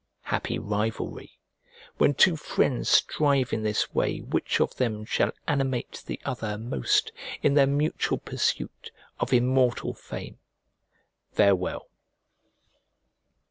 "Happy rivalry" when two friends strive in this way which of them shall animate the other most in their mutual pursuit of immortal fame. Farewell.